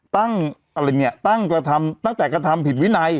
อะไรเนี่ยตั้งกระทำตั้งแต่กระทำผิดวินัย